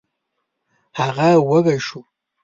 هغه وږی شو.